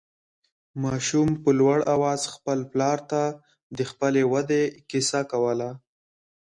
ماشوم په لوړ اواز خپل پلار ته د خپلې ودې قصه کوله.